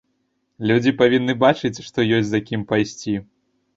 Людзі павінны бачыць, што ёсць за кім пайсці.